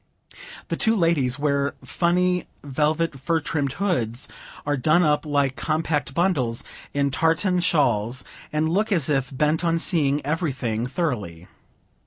The two ladies wear funny velvet fur trimmed hoods; are done up, like compact bundles, in tartan shawls; and look as if bent on seeing everything thoroughly.